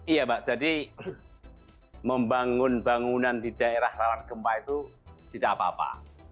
iya mbak jadi membangun bangunan di daerah rawan gempa itu tidak apa apa